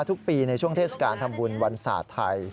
ทุกปีในช่วงเทศกาลทำบุญวันศาสตร์ไทย